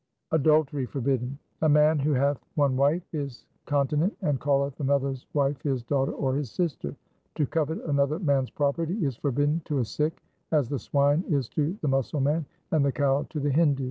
2 Adultery forbidden :— A man who hath one wife is continent and calleth another's wife his daughter or his sister. To covet another man's property is forbidden to a Sikh, as the swine is to the Musalman and the cow to the Hindu.